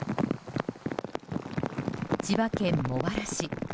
千葉県茂原市。